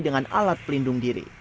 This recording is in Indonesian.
dengan alat pelindung diri